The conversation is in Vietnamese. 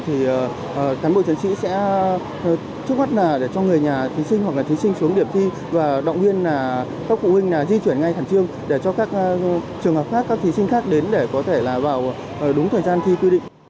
thành phố hồ chí minh sẽ chúc mất để cho người nhà thí sinh hoặc thí sinh xuống điểm thi và động viên các phụ huynh di chuyển ngay thẳng trương để cho các trường hợp khác các thí sinh khác đến để có thể vào đúng thời gian thi quy định